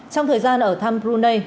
trong thời gian ở thăm brunei